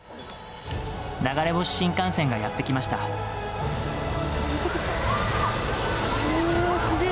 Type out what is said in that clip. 流れ星新幹線がやって来ましおお、すげー。